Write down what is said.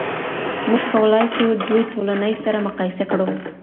موږ کولای سو دوې ټولنې سره مقایسه کړو.